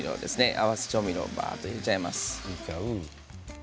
合わせ調味料をばっと入れちゃいます。